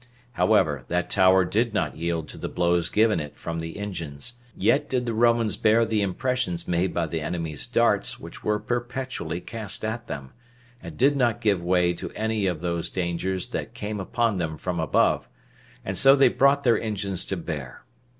However, that tower did not yield to the blows given it from the engines; yet did the Romans bear the impressions made by the enemies' darts which were perpetually cast at them, and did not give way to any of those dangers that came upon them from above, and so they brought their engines to bear.